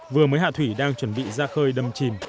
vừa mới hạ thủy đang chuẩn bị ra khơi đâm chìm